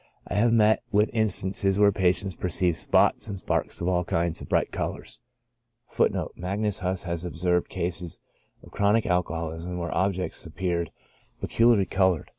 I have met with instances where patients perceived spots and sparks of all kinds of bright colors.* During the long * Magnus Huss has observed cases of chronic alcoholism where objects ap peared peculiarly colored.